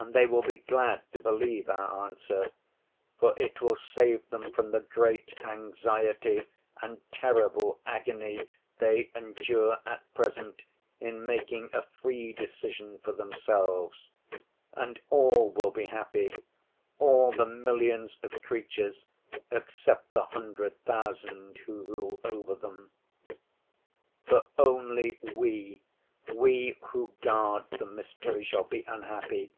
And they will be glad to believe our answer, for it will save them from the great anxiety and terrible agony they endure at present in making a free decision for themselves. And all will be happy, all the millions of creatures except the hundred thousand who rule over them. For only we, we who guard the mystery, shall be unhappy.